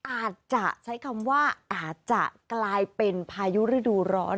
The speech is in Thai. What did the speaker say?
อาจจะใช้คำว่าอาจจะกลายเป็นพายุฤดูร้อน